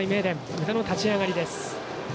宇田の立ち上がりです。